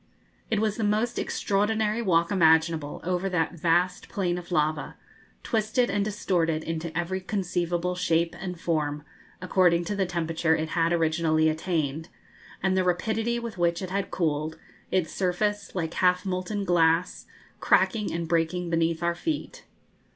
It was the most extraordinary walk imaginable over that vast plain of lava, twisted and distorted into every conceivable shape and form, according to the temperature it had originally attained, and the rapidity with which it had cooled, its surface, like half molten glass, cracking and breaking beneath our feet.